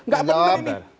gak bener ini